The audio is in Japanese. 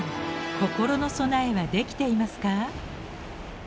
心の備えはできていますか？